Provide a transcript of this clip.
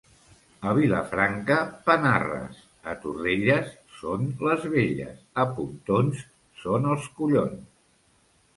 A Vilafranca panarres, a Torrelles són les belles, a Pontons són els collons.